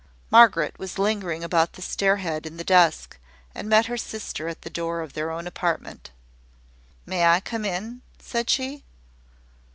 Margaret was lingering about the stair head in the dusk, and met her sister at the door of their own apartment. "May I come in?" said she.